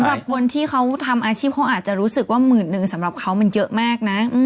สำหรับคนที่เขาทำอาชีพเขาอาจจะรู้สึกว่าหมื่นหนึ่งสำหรับเขามันเยอะมากนะ